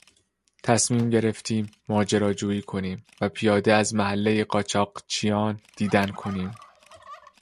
تصمیم گرفتیم ماجراجویی کنیم و پیاده از محلهی قاچاقچیان دیدن کنیم.